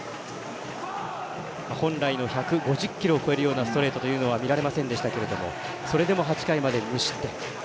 本来の１５０キロを超えるストレートは見られませんでしたけれどもそれでも８回まで無失点。